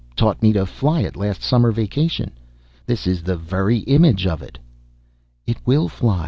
Taught me to fly it, last summer vacation. This is the very image of it!" "It will fly!"